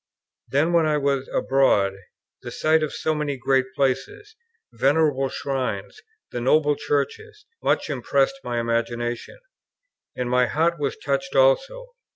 Then, when I was abroad, the sight of so many great places, venerable shrines, and noble churches, much impressed my imagination. And my heart was touched also.